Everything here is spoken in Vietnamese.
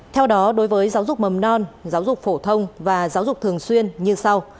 theo đó đối với giáo dục mầm non giáo dục phổ thông và giáo dục thường xuyên như sau